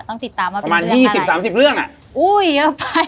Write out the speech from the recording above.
ต้องติดตามประมาณ๒๐๓๐เรื่องอ่ะอู้ย